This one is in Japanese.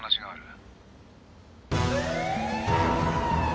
ああ。